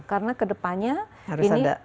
karena kedepannya ini